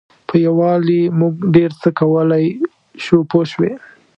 په یووالي موږ ډېر څه کولای شو پوه شوې!.